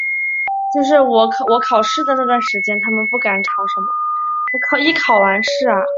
你还是没有告诉我